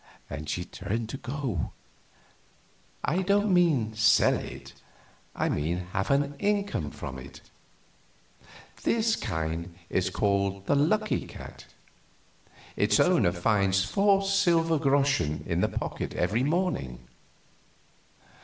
She turned to go. "I don't mean sell it. I mean have an income from it. This kind is called the Lucky Cat. Its owner finds four silver groschen in his pocket every morning."